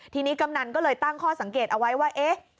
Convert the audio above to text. ทีนี้กำนันก็เลยตั้งข้อสังเกตเอาไว้ว่าเอ๊ะ